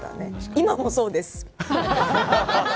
今もそうです。